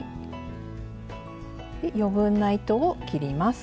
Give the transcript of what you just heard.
余分な糸を切ります。